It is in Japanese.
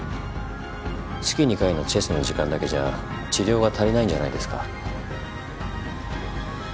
月２回のチェスの時間だけじゃ治療が足りないんじゃないですか？